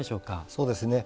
そうですね。